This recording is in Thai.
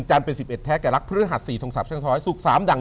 จริง